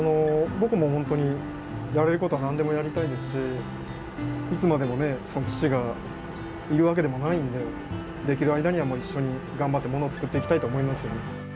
僕も本当にやれることは何でもやりたいですしいつまでもね父がいるわけでもないんでできる間にはもう一緒に頑張ってものを作っていきたいと思いますよね。